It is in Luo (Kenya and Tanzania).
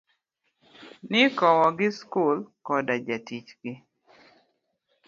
Nikowo gi skul koda jatich gi.